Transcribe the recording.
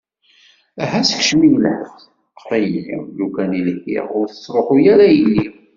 Aha sekcem-iyi lḥebs, ṭfet-iyi, lukan i lhiɣ ur tettruḥu ara yelli.